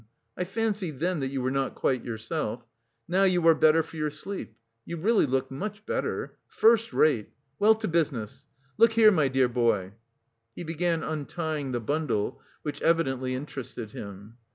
I fancied then that you were not quite yourself. Now you are better for your sleep.... You really look much better. First rate! Well, to business. Look here, my dear boy." He began untying the bundle, which evidently interested him.